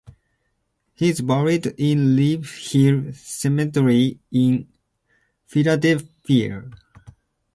He is buried in Ivy Hill Cemetery in Philadelphia.